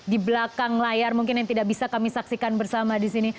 di belakang layar mungkin yang tidak bisa kami saksikan bersama di sini